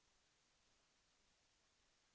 แสวได้ไงของเราก็เชียนนักอยู่ค่ะเป็นผู้ร่วมงานที่ดีมาก